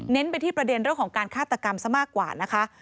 ไปที่ประเด็นเรื่องของการฆาตกรรมซะมากกว่านะคะ